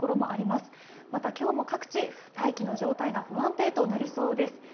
また、今日も各地、大気の状態が不安定となりそうです。